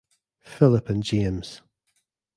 Philip and James.